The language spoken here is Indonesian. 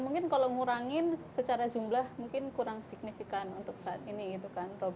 mungkin kalau ngurangin secara jumlah mungkin kurang signifikan untuk saat ini gitu kan